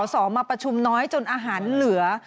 สอบมาประชุมน้อยจนอาหารเหลือ